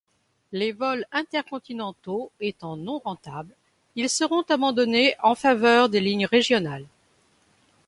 Les vols intercontinentaux étant non rentables, ils seront abandonnés en faveur des lignes régionales.